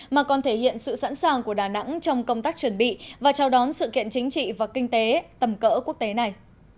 mà còn thể hiện sự sẵn sàng của đà nẵng trong công tác chuẩn bị và chào đón sự kiện chính trị và kinh tế tầm cỡ quốc tế này